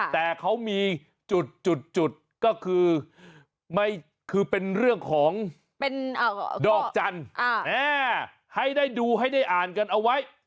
แต่เขามีจุดก็คือเป็นเรื่องของดอกจันทร์ให้ได้ดูให้ได้อ่านกันเอาไว้